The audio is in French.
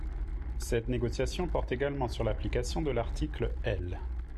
Cette négociation porte également sur l’application de l’article L